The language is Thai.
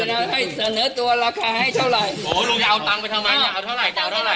ก็มีนะให้เสนอตัวราคาให้เท่าไรอ๋อลูกอยากเอาตังษ์ไปทำไม